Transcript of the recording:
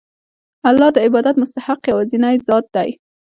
الله د عبادت مستحق یوازینی ذات دی.